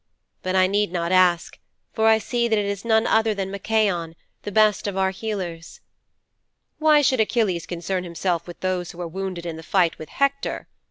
But I need not ask, for I see that it is none other than Machaon, the best of our healers."' '"Why should Achilles concern himself with those who are wounded in the fight with Hector?"